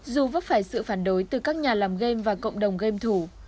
dù vấp phải sự phản đối từ các nhà làm game và cộng đồng game thủ